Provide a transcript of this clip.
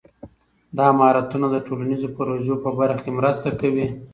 دا مهارتونه د ټولنیزو پروژو په برخه کې مرسته کوي.